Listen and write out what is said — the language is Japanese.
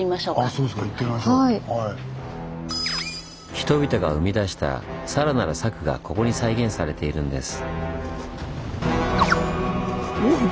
人々が生み出したさらなる策がここに再現されているんです。